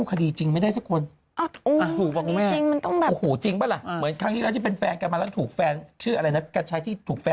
กับชายที่เกิดถูกฟแฟนตัวเองฆ่าทิ้งอ่ะ